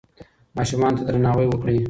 ماشومانو ته درناوی وکړئ.